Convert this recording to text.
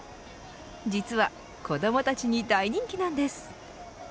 実は子どもたちに大人気なんです。